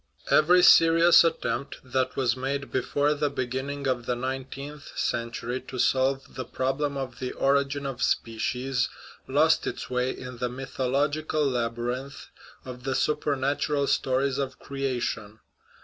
Every serious attempt that was made before the be ginning of the nineteenth century to solve the problem of the origin of species lost its way in the mythological labyrinth of the supernatural stories of creation.